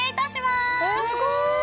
すごーい！